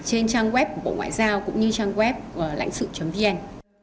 trên trang web của bộ ngoại giao cũng như trang web lãnh sự vn